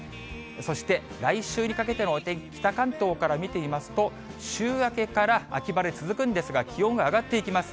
そして来週にかけてのお天気、北関東から見てみますと、週明けから秋晴れ続くんですが、気温が上がっていきます。